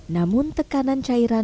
namun tekanan cairan ini